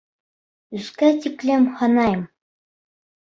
Өскә тиклем һанайым!